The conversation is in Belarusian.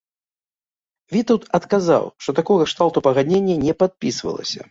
Вітаўт адказаў, што такога кшталту пагадненне не падпісвалася.